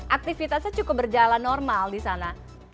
aktivitasnya cukup berjalan normal di sana